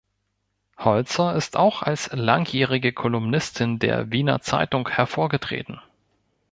Holzer ist auch als langjährige Kolumnistin der "Wiener Zeitung" hervorgetreten.